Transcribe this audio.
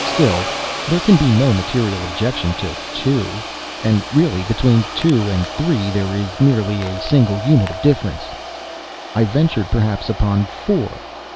Still, there can be no material objection to two. And really between two and three, there is merely a single unit of difference. I ventured, perhaps, upon four.